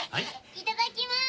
いただきます！